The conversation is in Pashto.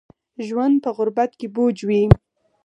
ژوند په غربت کې بوج وي